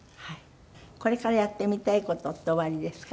これからやってみたい事っておありですか？